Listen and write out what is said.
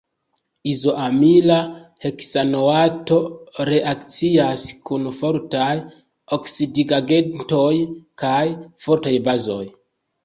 Izoamila heksanoato reakcias kun fortaj oksidigagentoj kaj fortaj bazoj.